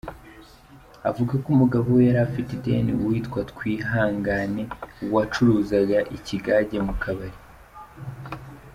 Avuga ko umugabo we yari afitiye ideni uwitwa Twihangane wacuruzaga ikigage mu kabari.